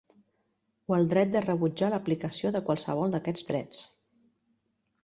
O el dret de rebutjar l'aplicació de qualsevol d'aquests drets.